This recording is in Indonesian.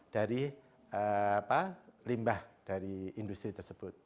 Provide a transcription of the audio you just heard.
dari limbah dari industri tersebut